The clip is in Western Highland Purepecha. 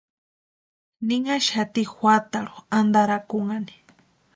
Ninhaxati juatarhu antarakunhani.